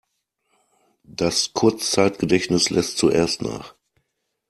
Das Kurzzeitgedächtnis lässt zuerst nach.